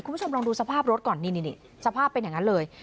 คุณผู้ชมลองดูสภาพรถก่อนนี่สภาพเป็นอย่างนั้นเลย